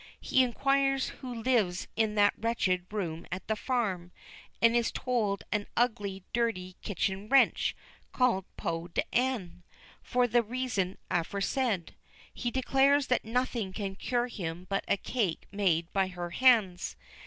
He inquires who lives in that wretched room at the farm, and is told an ugly, dirty, kitchen wench, called Peau d'Ane, for the reason aforesaid. He declares that nothing can cure him but a cake made by her hands.